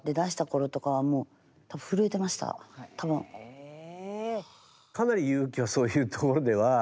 へえ。